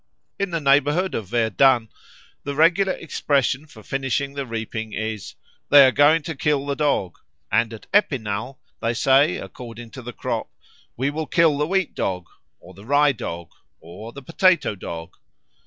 In the neighbourhood of Verdun the regular expression for finishing the reaping is, "They are going to kill the Dog"; and at Epinal they say, according to the crop, "We will kill the Wheat dog, or the Rye dog, or the Potato dog."